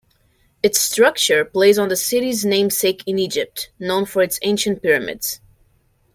Its structure plays on the city's namesake in Egypt, known for its ancient pyramids.